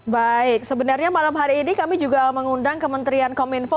baik sebenarnya malam hari ini kami juga mengundang kementerian kominfo